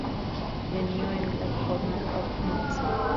The New England Journal of Medicine.